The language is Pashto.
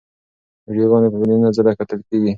ویډیوګانې په میلیونو ځله کتل کېږي.